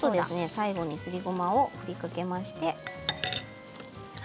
最後にすりごまを振りかけまして。